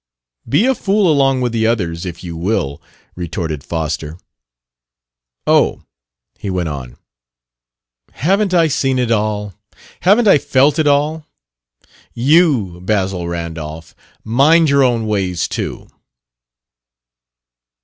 "Be a fool along with the others, if you will!" retorted Foster. "Oh!" he went on, "Haven't I seen it all? Haven't I felt it all? You, Basil Randolph, mind your own ways too!"